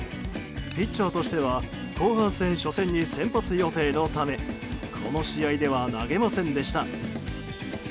ピッチャーとしては後半戦初戦に先発予定のためこの試合では投げませんでした。